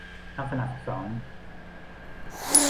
ลักษณะสิบสอง